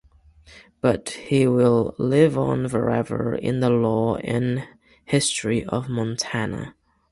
But he will live on forever in the lore and history of Montana.